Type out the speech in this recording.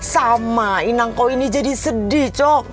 sama inang kau ini jadi sedih cok